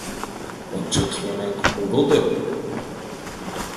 Лапчык Иванак огыл дыр?